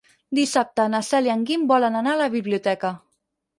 Dissabte na Cel i en Guim volen anar a la biblioteca.